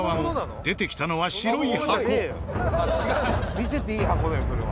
見せていい箱だよそれは。